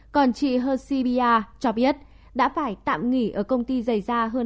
còn chị h c b a cho biết đã phải tạm nghỉ ở công ty dày da hơn hai tháng